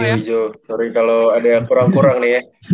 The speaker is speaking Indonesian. thank you jok sorry kalo ada yang kurang kurang nih ya